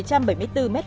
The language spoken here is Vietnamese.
cho ubnd tân anh